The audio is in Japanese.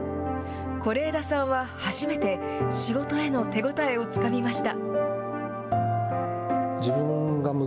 是枝さんは初めて仕事への手応えをつかみました。